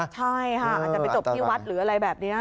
ใช่ค่ะอาจจะไปจบที่วัดหรืออะไรแบบนี้